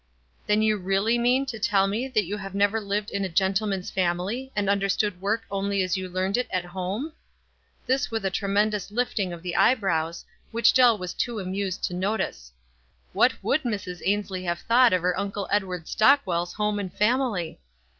"Then you really mean to tell me that you have never lived in a gentleman's family, and understand work only as you learned it at home?" This with a tremendous lifting of the eyebrows, which Dell was too amused to notice. What would Mrs. Ainslie have thought of Mr. Edward Stock well's homo and family